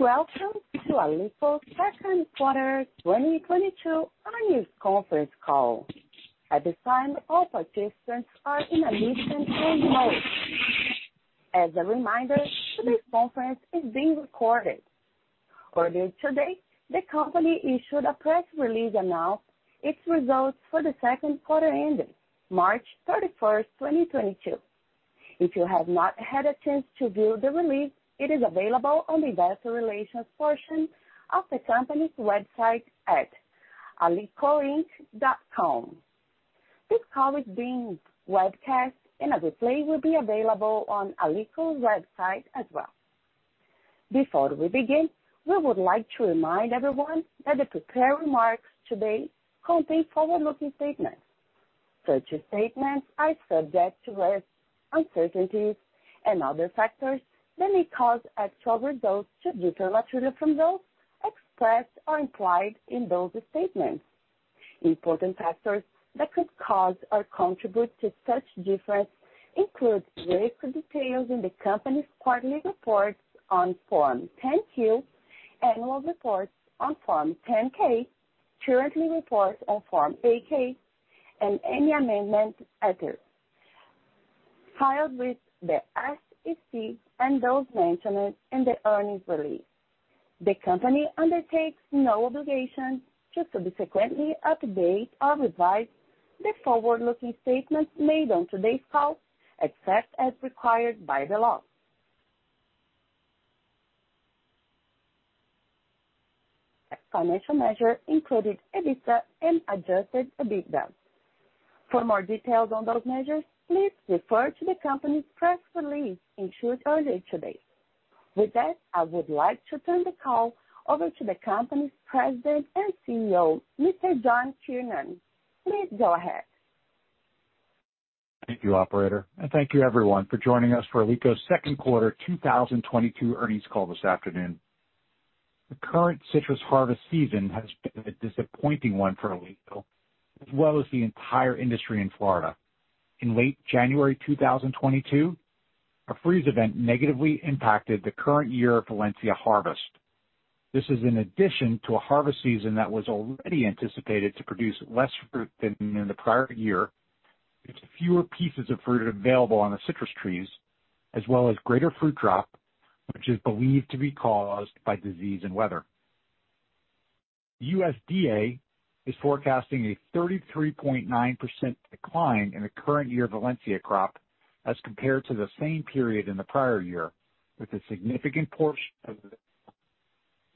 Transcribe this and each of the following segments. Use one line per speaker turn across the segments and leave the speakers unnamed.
Welcome to Alico's second quarter 2022 earnings conference call. At this time, all participants are in a listen-only mode. As a reminder, today's conference is being recorded. Earlier today, the company issued a press release announcing its results for the second quarter ending March 31, 2022. If you have not had a chance to view the release, it is available on the investor relations portion of the company's website at alicoinc.com. This call is being webcast, and a replay will be available on Alico's website as well. Before we begin, we would like to remind everyone that the prepared remarks today contain forward-looking statements. Such statements are subject to risks, uncertainties, and other factors that may cause actual results to differ materially from those expressed or implied in those statements. Important factors that could cause or contribute to such difference include risk details in the company's quarterly reports on Form 10-Q, annual reports on Form 10-K, current report on Form 8-K, and any amendment thereto filed with the SEC and those mentioned in the earnings release. The company undertakes no obligation to subsequently update or revise the forward-looking statements made on today's call, except as required by the law. Financial measures include EBITDA and adjusted EBITDA. For more details on those measures, please refer to the company's press release issued earlier today. With that, I would like to turn the call over to the company's President and CEO, Mr. John Kiernan. Please go ahead.
Thank you, operator, and thank you everyone for joining us for Alico's second quarter 2022 earnings call this afternoon. The current citrus harvest season has been a disappointing one for Alico, as well as the entire industry in Florida. In late January 2022, a freeze event negatively impacted the current year Valencia harvest. This is in addition to a harvest season that was already anticipated to produce less fruit than in the prior year, with fewer pieces of fruit available on the citrus trees, as well as greater fruit drop, which is believed to be caused by disease and weather. USDA is forecasting a 33.9% decline in the current year Valencia crop as compared to the same period in the prior year, with a significant portion of it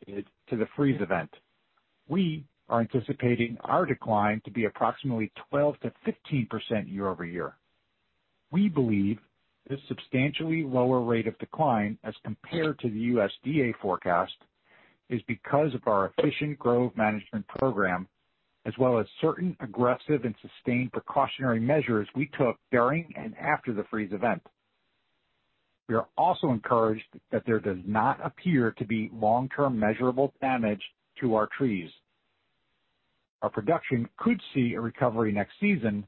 due to the freeze event. We are anticipating our decline to be approximately 12%-15% year-over-year. We believe this substantially lower rate of decline as compared to the USDA forecast is because of our efficient growth management program, as well as certain aggressive and sustained precautionary measures we took during and after the freeze event. We are also encouraged that there does not appear to be long-term measurable damage to our trees. Our production could see a recovery next season,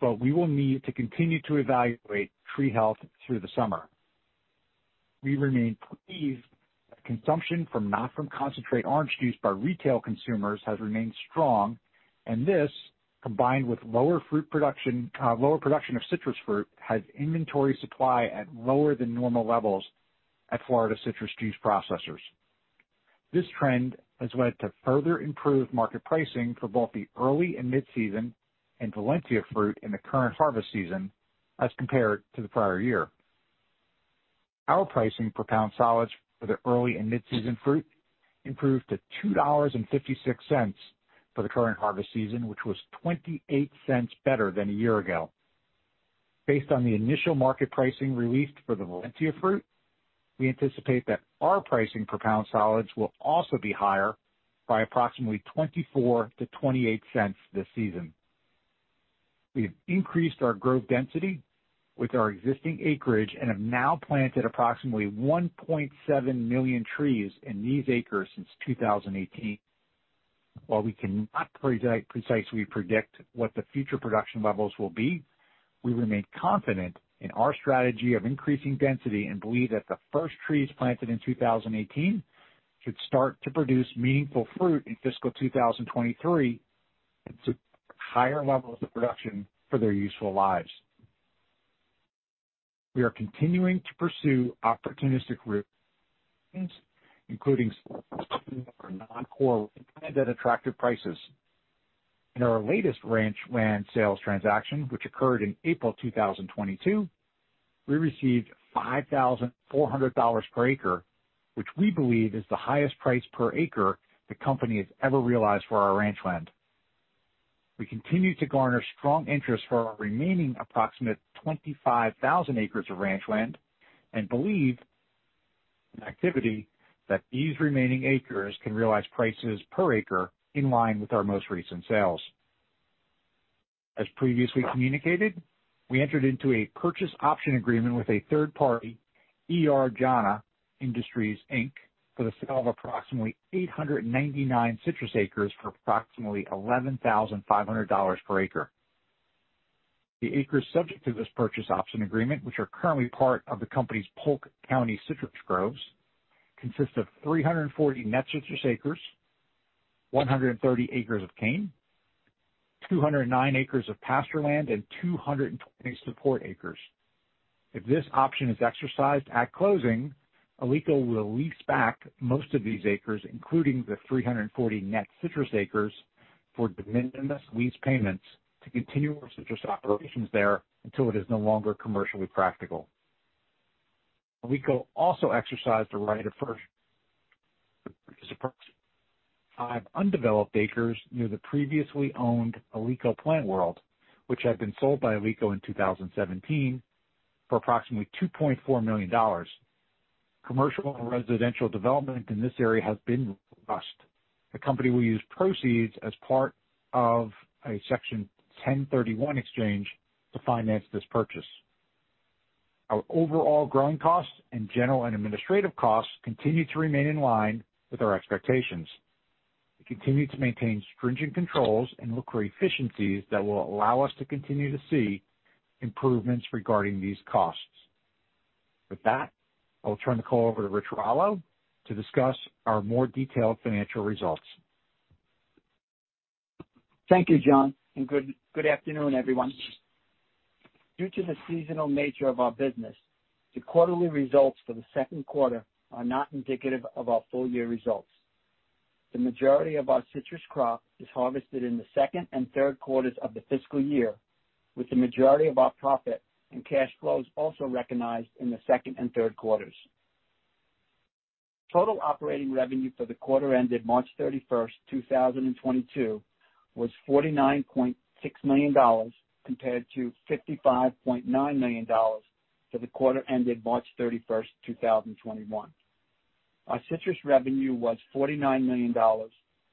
but we will need to continue to evaluate tree health through the summer. We remain pleased that consumption from not from concentrate orange juice by retail consumers has remained strong, and this, combined with lower production of citrus fruit, has inventory supply at lower than normal levels at Florida citrus juice processors. This trend has led to further improved market pricing for both the early and mid-season and Valencia fruit in the current harvest season as compared to the prior year. Our pricing per pound solids for the early and mid-season fruit improved to $2.56 for the current harvest season, which was $0.28 better than a year ago. Based on the initial market pricing released for the Valencia fruit, we anticipate that our pricing per pound solids will also be higher by approximately $0.24-$0.28 this season. We have increased our growth density with our existing acreage and have now planted approximately 1.7 million trees in these acres since 2018. While we cannot precisely predict what the future production levels will be, we remain confident in our strategy of increasing density and believe that the first trees planted in 2018 should start to produce meaningful fruit in fiscal 2023 to higher levels of production for their useful lives. We are continuing to pursue opportunistic sales, including non-core assets, at attractive prices. In our latest ranch land sales transaction, which occurred in April 2022, we received $5,400 per acre, which we believe is the highest price per acre the company has ever realized for our ranch land. We continue to garner strong interest for our remaining approximate 25,000 acres of ranch land and believe that these remaining acres can realize prices per acre in line with our most recent sales. As previously communicated, we entered into a purchase option agreement with a third party, E.R. Jahna Industries, Inc., for the sale of approximately 899 citrus acres for approximately $11,500 per acre. The acres subject to this purchase option agreement, which are currently part of the company's Polk County Citrus Groves, consist of 340 net citrus acres, 130 acres of cane, 209 acres of pasture land, and 220 support acres. If this option is exercised at closing, Alico will lease back most of these acres, including the 340 net citrus acres, for de minimis lease payments to continue our citrus operations there until it is no longer commercially practical. Alico also exercised the right of first refusal for undeveloped acres near the previously owned Alico Plant World, which had been sold by Alico in 2017 for approximately $2.4 million. Commercial and residential development in this area has been robust. The company will use proceeds as part of a Section 1031 exchange to finance this purchase. Our overall growing costs and general and administrative costs continue to remain in line with our expectations. We continue to maintain stringent controls and look for efficiencies that will allow us to continue to see improvements regarding these costs. With that, I'll turn the call over to Rich Rallo to discuss our more detailed financial results.
Thank you, John, and good afternoon, everyone. Due to the seasonal nature of our business, the quarterly results for the second quarter are not indicative of our full year results. The majority of our citrus crop is harvested in the second and third quarters of the fiscal year, with the majority of our profit and cash flows also recognized in the second and third quarters. Total operating revenue for the quarter ended March 31, 2022 was $49.6 million compared to $55.9 million for the quarter ended March 31, 2021. Our citrus revenue was $49 million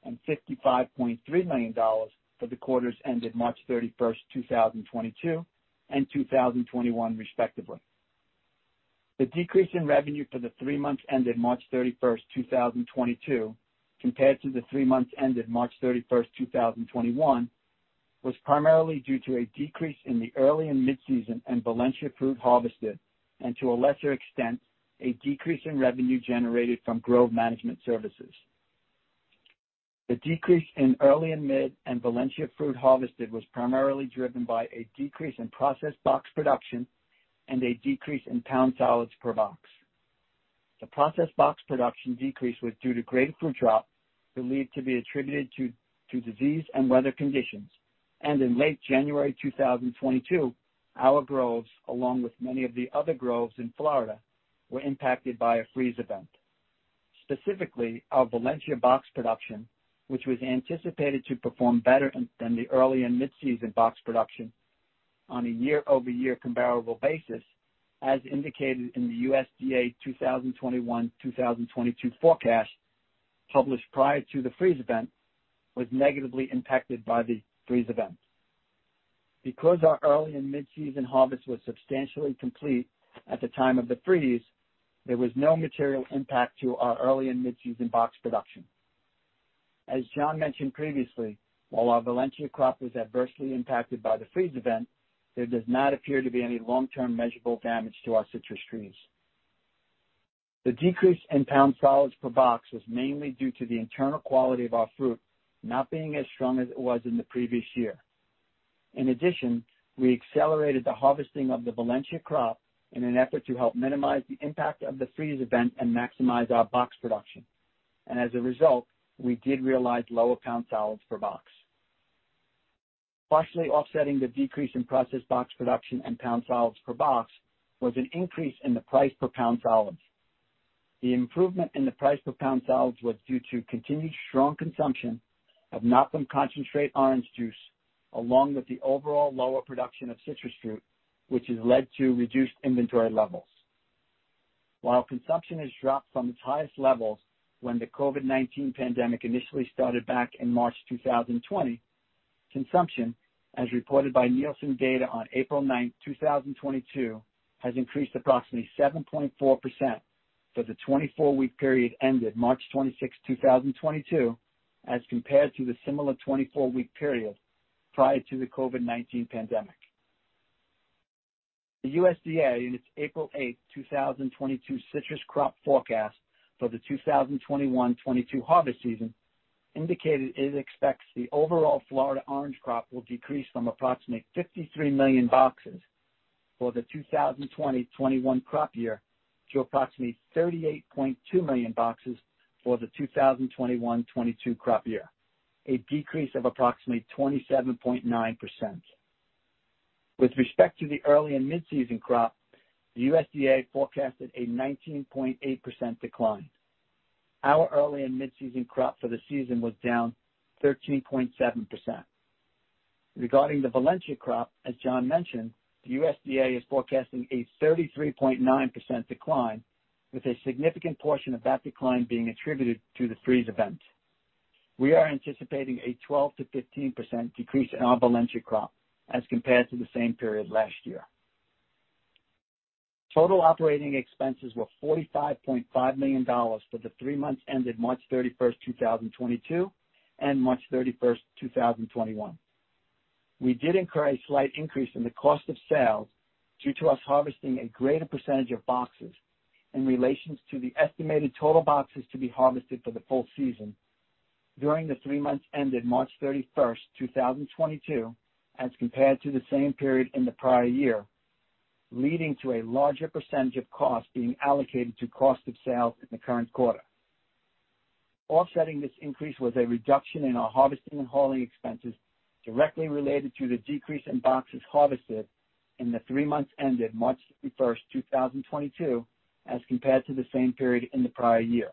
and $55.3 million for the quarters ended March 31, 2022 and 2021 respectively. The decrease in revenue for the three months ended March 31, 2022 compared to the three months ended March 31, 2021 was primarily due to a decrease in the early and mid-season and Valencia fruit harvested, and to a lesser extent, a decrease in revenue generated from Grove Management Services. The decrease in early and mid and Valencia fruit harvested was primarily driven by a decrease in processed box production and a decrease in pound solids per box. The processed box production decrease was due to greater fruit drop, believed to be attributed to disease and weather conditions. In late January 2022, our groves, along with many of the other groves in Florida, were impacted by a freeze event. Specifically, our Valencia box production, which was anticipated to perform better than the early and mid-season box production on a year-over-year comparable basis, as indicated in the USDA 2021/2022 forecast published prior to the freeze event, was negatively impacted by the freeze event. Because our early and mid-season harvest was substantially complete at the time of the freeze, there was no material impact to our early and mid-season box production. As John mentioned previously, while our Valencia crop was adversely impacted by the freeze event, there does not appear to be any long-term measurable damage to our citrus trees. The decrease in pound solids per box was mainly due to the internal quality of our fruit not being as strong as it was in the previous year. In addition, we accelerated the harvesting of the Valencia crop in an effort to help minimize the impact of the freeze event and maximize our box production. As a result, we did realize lower pound solids per box. Partially offsetting the decrease in processed box production and pound solids per box was an increase in the price per pound solids. The improvement in the price per pound solids was due to continued strong consumption of not from concentrate orange juice, along with the overall lower production of citrus fruit, which has led to reduced inventory levels. While consumption has dropped from its highest levels when the COVID-19 pandemic initially started back in March 2020, consumption, as reported by Nielsen data on April 9, 2022, has increased approximately 7.4% for the 24-week period ended March 26, 2022, as compared to the similar 24-week period prior to the COVID-19 pandemic. The USDA, in its April 8, 2022 citrus crop forecast for the 2021/2022 harvest season, indicated it expects the overall Florida orange crop will decrease from approximately 53 million boxes for the 2020/2021 crop year to approximately 38.2 million boxes for the 2021/2022 crop year, a decrease of approximately 27.9%. With respect to the early and mid-season crop, the USDA forecasted a 19.8% decline. Our early and mid-season crop for the season was down 13.7%. Regarding the Valencia crop, as John mentioned, the USDA is forecasting a 33.9% decline, with a significant portion of that decline being attributed to the freeze event. We are anticipating a 12%-15% decrease in our Valencia crop as compared to the same period last year. Total operating expenses were $45.5 million for the three months ended March 31, 2022 and March 31, 2021. We did incur a slight increase in the cost of sales due to us harvesting a greater percentage of boxes in relation to the estimated total boxes to be harvested for the full season during the three months ended March 31, 2022, as compared to the same period in the prior year, leading to a larger percentage of costs being allocated to cost of sales in the current quarter. Offsetting this increase was a reduction in our harvesting and hauling expenses directly related to the decrease in boxes harvested in the three months ended March 31, 2022, as compared to the same period in the prior year.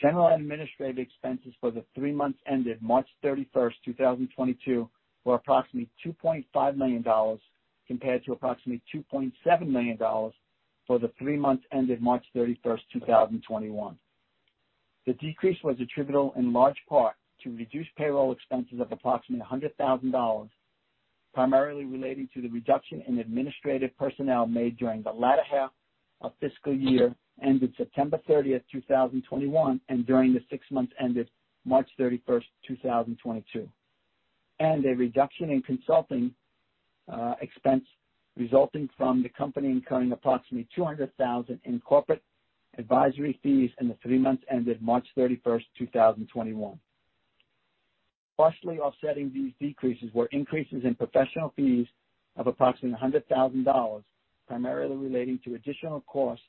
General administrative expenses for the three months ended March 31, 2022 were approximately $2.5 million compared to approximately $2.7 million for the three months ended March 31, 2021. The decrease was attributable in large part to reduced payroll expenses of approximately $100,000, primarily relating to the reduction in administrative personnel made during the latter half of fiscal year ended September 30, 2021 and during the six months ended March 31, 2022. A reduction in consulting expense resulting from the company incurring approximately $200,000 in corporate advisory fees in the three months ended March 31, 2021. Partially offsetting these decreases were increases in professional fees of approximately $100,000, primarily relating to additional costs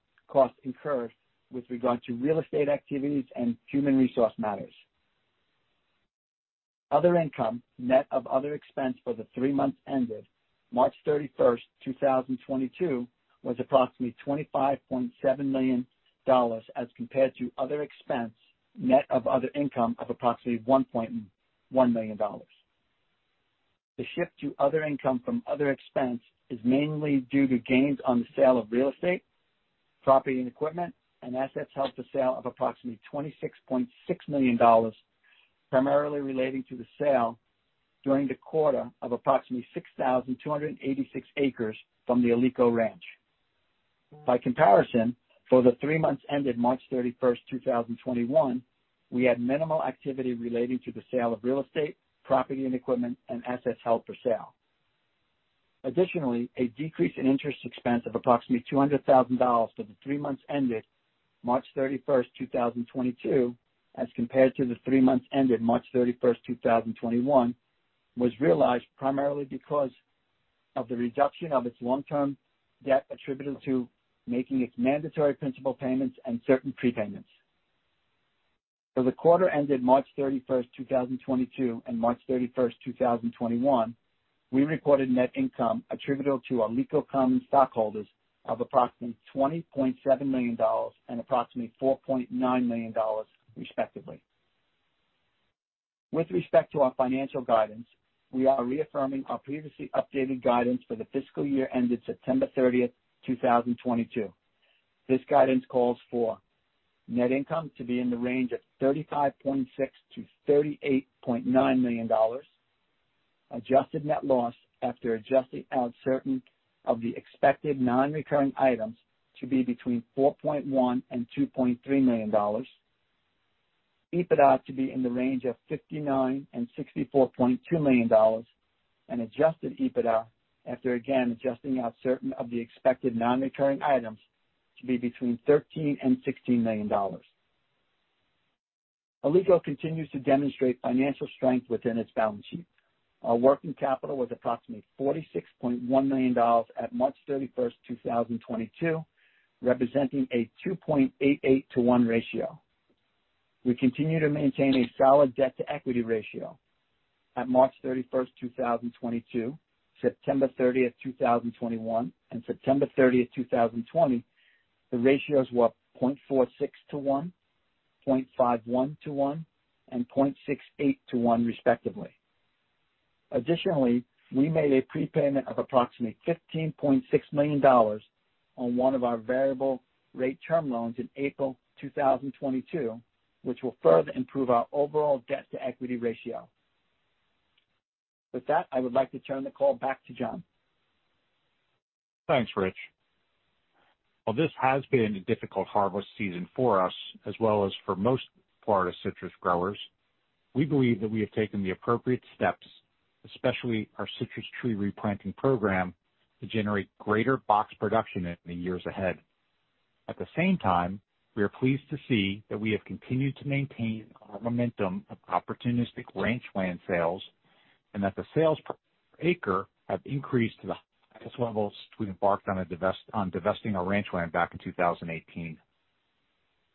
incurred with regard to real estate activities and human resource matters. Other income, net of other expense for the three months ended March 31, 2022 was approximately $25.7 million as compared to other expense, net of other income of approximately $1.1 million. The shift to other income from other expense is mainly due to gains on the sale of real estate, property and equipment, and assets held for sale of approximately $26.6 million, primarily relating to the sale during the quarter of approximately 6,286 acres from the Alico Ranch. By comparison, for the three months ended March 31, 2021, we had minimal activity relating to the sale of real estate, property and equipment, and assets held for sale. Additionally, a decrease in interest expense of approximately $200,000 for the three months ended March 31, 2022, as compared to the three months ended March 31, 2021, was realized primarily because of the reduction of its long-term debt attributable to making its mandatory principal payments and certain prepayments. For the quarter ended March 31, 2022 and March 31, 2021, we reported net income attributable to Alico common stockholders of approximately $20.7 million and approximately $4.9 million, respectively. With respect to our financial guidance, we are reaffirming our previously updated guidance for the fiscal year ended September 30, 2022. This guidance calls for net income to be in the range of $35.6 million-$38.9 million. Adjusted net loss after adjusting out certain of the expected non-recurring items to be between $4.1 million and $2.3 million. EBITDA to be in the range of $59 million and $64.2 million. Adjusted EBITDA after again adjusting out certain of the expected non-recurring items to be between $13 million and $16 million. Alico continues to demonstrate financial strength within its balance sheet. Our working capital was approximately $46.1 million at March 31, 2022, representing a 2.88-to-1 ratio. We continue to maintain a solid debt-to-equity ratio. At March 31, 2022, September 30, 2021 and September 30, 2020, the ratios were 0.46-to-1, 0.51-to-1, and 0.68-to-1, respectively. Additionally, we made a prepayment of approximately $15.6 million on one of our variable rate term loans in April 2022, which will further improve our overall debt-to-equity ratio. With that, I would like to turn the call back to John.
Thanks, Rich. While this has been a difficult harvest season for us as well as for most Florida citrus growers, we believe that we have taken the appropriate steps, especially our citrus tree replanting program, to generate greater box production in the years ahead. At the same time, we are pleased to see that we have continued to maintain our momentum of opportunistic ranch land sales and that the sales per acre have increased to the highest levels since we embarked on divesting our ranch land back in 2018.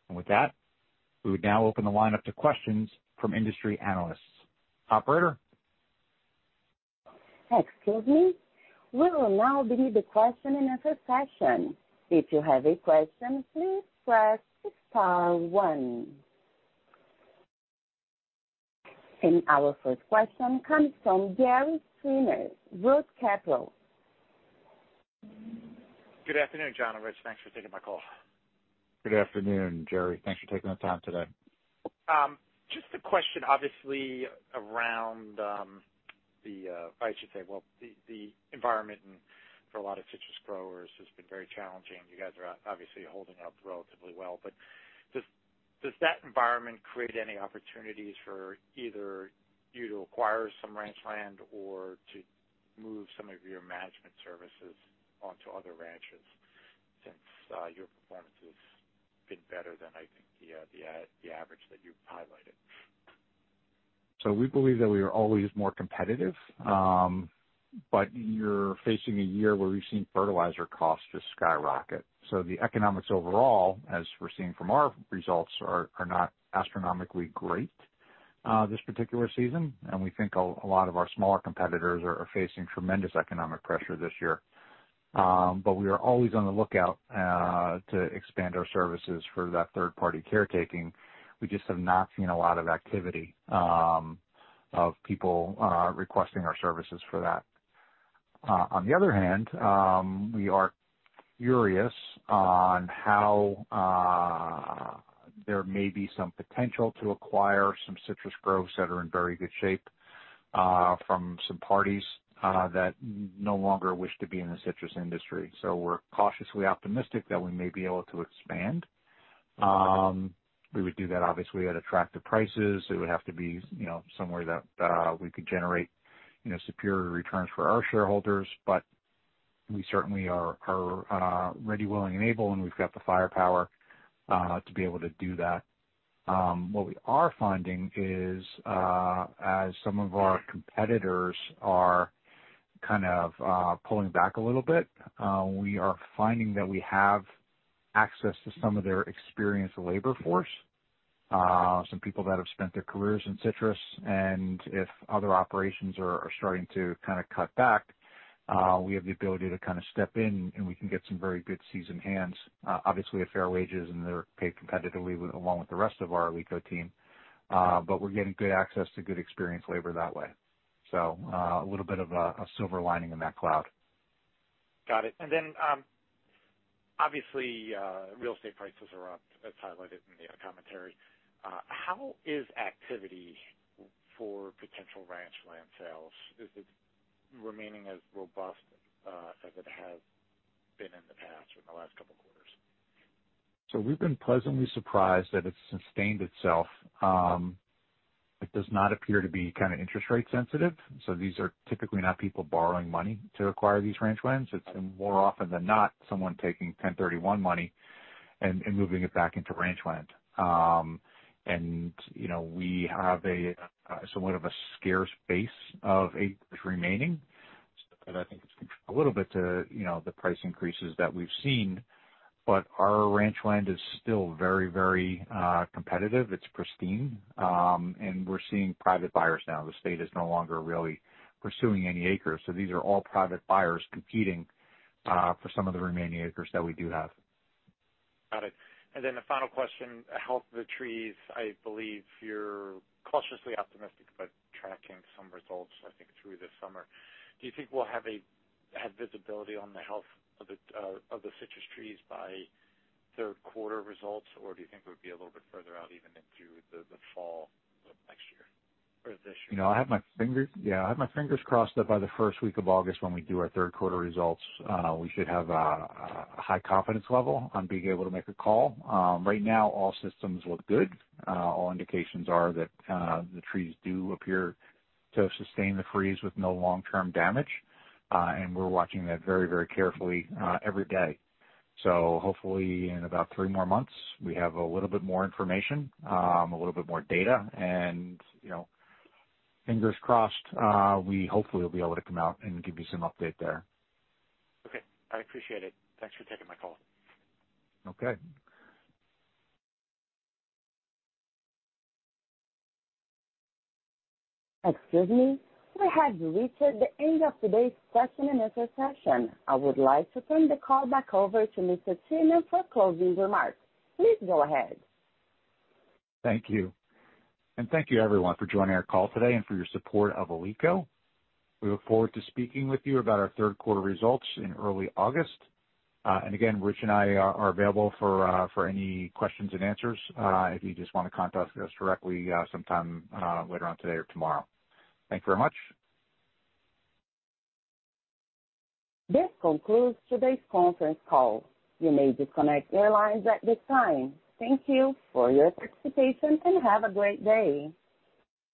With that, we would now open the line up to questions from industry analysts. Operator?
Excuse me. We will now begin the question-and-answer session. If you have a question, please press star one. Our first question comes from Gerry Sweeney, ROTH Capital.
Good afternoon, John and Rich. Thanks for taking my call.
Good afternoon, Gerry. Thanks for taking the time today.
Just a question, obviously, around the environment and for a lot of citrus growers has been very challenging. You guys are obviously holding up relatively well, but does that environment create any opportunities for either you to acquire some ranch land or to move some of your management services onto other ranches since your performance has been better than, I think, the average that you've highlighted?
We believe that we are always more competitive. You're facing a year where we've seen fertilizer costs just skyrocket. The economics overall, as we're seeing from our results, are not astronomically great this particular season. We think a lot of our smaller competitors are facing tremendous economic pressure this year. We are always on the lookout to expand our services for that third party caretaking. We just have not seen a lot of activity of people requesting our services for that. On the other hand, we are curious on how there may be some potential to acquire some citrus groves that are in very good shape from some parties that no longer wish to be in the citrus industry. We're cautiously optimistic that we may be able to expand. We would do that obviously at attractive prices. It would have to be, you know, somewhere that, we could generate, you know, superior returns for our shareholders. We certainly are ready, willing, and able, and we've got the firepower to be able to do that. What we are finding is, as some of our competitors are kind of pulling back a little bit, we are finding that we have access to some of their experienced labor force, some people that have spent their careers in citrus, and if other operations are starting to kinda cut back, we have the ability to kinda step in, and we can get some very good seasoned hands. Obviously at fair wages, and they're paid competitively with, along with the rest of our Alico team. We're getting good access to good experienced labor that way. A little bit of a silver lining in that cloud.
Got it. Obviously, real estate prices are up, as highlighted in the commentary. How is activity for potential ranch land sales? Is it remaining as robust as it has been in the past or in the last couple of quarters?
We've been pleasantly surprised that it's sustained itself. It does not appear to be kind of interest rate sensitive, so these are typically not people borrowing money to acquire these ranch lands. It's more often than not someone taking 1031 money and moving it back into ranch land. You know, we have somewhat of a scarce base of acres remaining. That, I think, is contributing a little bit to you know, the price increases that we've seen. Our ranch land is still very competitive. It's pristine. We're seeing private buyers now. The state is no longer really pursuing any acres, so these are all private buyers competing for some of the remaining acres that we do have.
Got it. The final question, health of the trees. I believe you're cautiously optimistic about tracking some results, I think, through the summer. Do you think we'll have visibility on the health of the citrus trees by third quarter results? Do you think it would be a little bit further out, even into the fall of next year or this year?
I have my fingers crossed that by the first week of August, when we do our third quarter results, we should have a high confidence level on being able to make a call. Right now all systems look good. All indications are that the trees do appear to have sustained the freeze with no long-term damage. We're watching that very, very carefully every day. Hopefully in about three more months, we have a little bit more information, a little bit more data and, you know, fingers crossed, we hopefully will be able to come out and give you some update there.
Okay, I appreciate it. Thanks for taking my call.
Okay.
Excuse me. We have reached the end of today's question and answer session. I would like to turn the call back over to Mr. Kiernan for closing remarks. Please go ahead.
Thank you. Thank you everyone for joining our call today and for your support of Alico. We look forward to speaking with you about our third quarter results in early August. Again, Rich and I are available for any questions and answers, if you just wanna contact us directly, sometime, later on today or tomorrow. Thank you very much.
This concludes today's conference call. You may disconnect your lines at this time. Thank you for your participation, and have a great day.